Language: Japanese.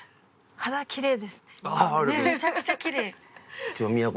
めちゃくちゃきれい。